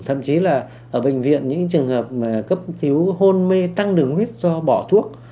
thậm chí là ở bệnh viện những trường hợp cấp cứu hôn mê tăng đường huyết do bỏ thuốc